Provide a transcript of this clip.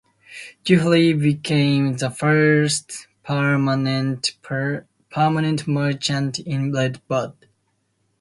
Dufree became the first permanent merchant in Red Bud.